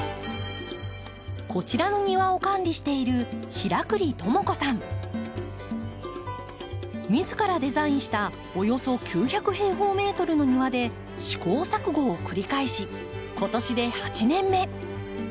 こちらの庭を管理しているみずからデザインしたおよそ９００平方メートルの庭で試行錯誤を繰り返し今年で８年目。